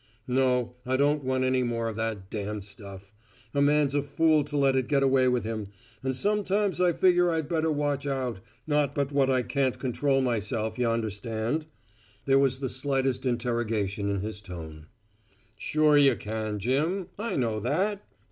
"No, I don't want any more of that damned stuff. A man's a fool to let it get away with him, and sometimes I figure I better watch out not but what I can't control myself, y'understand." There was the slightest interrogation in his tone. "Sure y'can, Jim; I know that.